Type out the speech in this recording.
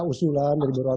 usulan dari bapak triwan